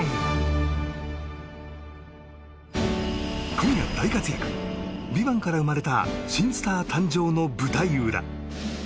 今夜大活躍「ＶＩＶＡＮＴ」から生まれた新スター誕生の舞台裏